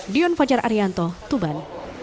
dion fajar arianto tuban